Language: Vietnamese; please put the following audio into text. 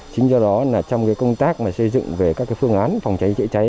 chính do đó trong công tác mà xây dựng về các phương án phòng cháy chữa cháy